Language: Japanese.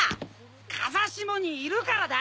風下にいるからだ。